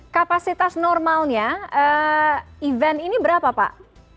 kapasitas normalnya event ini berapa pak